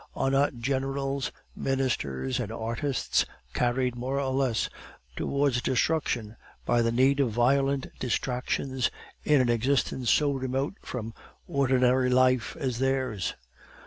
Are not generals, ministers, and artists carried, more or less, towards destruction by the need of violent distractions in an existence so remote from ordinary life as theirs?